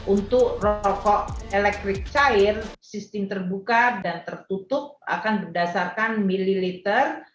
untuk rokok elektrik cair sistem terbuka dan tertutup akan berdasarkan mililiter